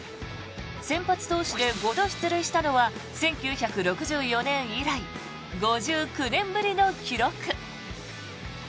先発投手で５度出塁したのは１９６４年以来５９年ぶりの記録。